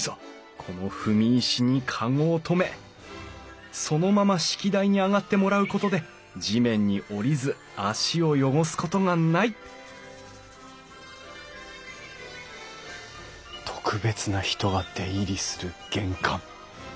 この踏み石にかごを止めそのまま式台に上がってもらうことで地面に降りず足を汚すことがない特別な人が出入りする玄関。